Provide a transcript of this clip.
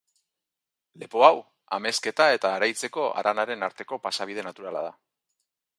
Lepo hau, Amezketa eta Araitzeko haranaren arteko pasabide naturala da.